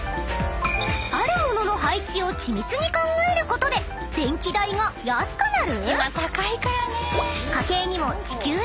［ある物の配置を緻密に考えることで電気代が安くなる⁉］